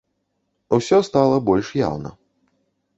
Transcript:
Усё стала больш яўна.